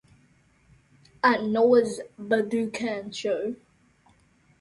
At Noah's Budokan show!